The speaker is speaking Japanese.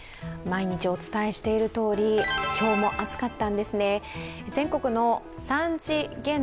毎日お伝えしているとおり今日も暑かったんですね。